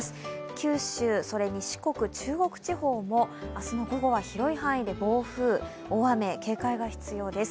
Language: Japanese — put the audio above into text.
九州、四国、中国地方も明日の午後は広い範囲で暴風、大雨に警戒が必要です。